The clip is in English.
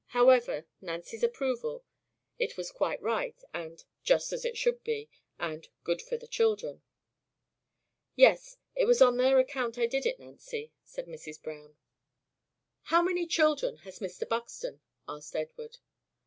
However, Nancy approved: "It was quite right," and "just as it should be," and "good for the children." "Yes; it was on their account I did it, Nancy," said Mrs. Browne. "How many children has Mr. Buxton?" asked Edward.